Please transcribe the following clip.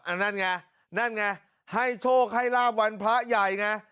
นั่นไงนั่นไงให้โชคให้ลาบวันพระใหญ่ไง